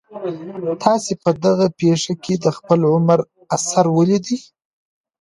تاسي په دغه پېښي کي د خپل عمر اثر ولیدی؟